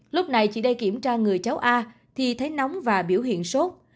lúc này chị đây kiểm tra người cháu a thì thấy nóng và biểu hiện sốt